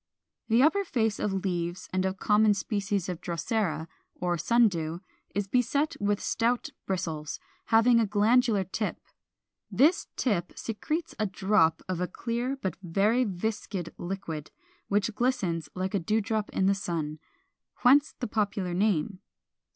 477. The upper face of the leaves of the common species of Drosera, or Sundew, is beset with stout bristles, having a glandular tip. This tip secretes a drop of a clear but very viscid liquid, which glistens like a dew drop in the sun; whence the popular name.